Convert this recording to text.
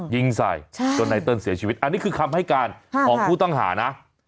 ยิงใส่จนไนเติ้ลเสียชีวิตอันนี้คือคำให้การของผู้ต้องหานะ